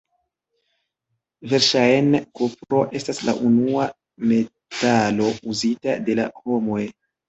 Verŝajne kupro estas la unua metalo uzita de la homoj.